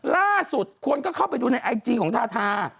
ล่าสุดคนก็เข้าไปดูในไอจีของทาทา